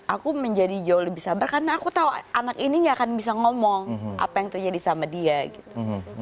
aku menjadi jauh lebih sabar karena aku tahu anak ini gak akan bisa ngomong apa yang terjadi sama dia gitu